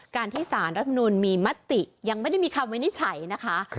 การที่สารรัฐมนุนมีมติยังไม่ได้มีคำวินิจฉัยนะคะ